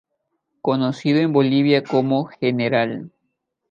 Conocido en Bolivia como general.